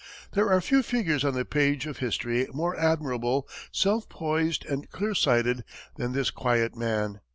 There are few figures on the page of history more admirable, self poised, and clear sighted than this quiet man.